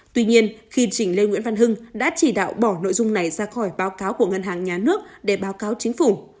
tuy nhiên khi chỉnh lê nguyễn văn hưng đã chỉ đạo bỏ nội dung này ra khỏi báo cáo của ngân hàng nhà nước để báo cáo chính phủ